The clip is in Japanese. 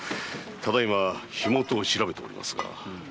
ただいま火元を調べております